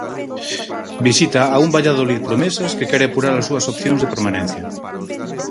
Visita a un Valladolid Promesas que quere apurar as súas opcións de permanencia.